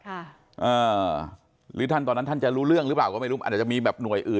อ่าหรือท่านตอนนั้นท่านจะรู้เรื่องหรือเปล่าก็ไม่รู้อาจจะมีแบบหน่วยอื่น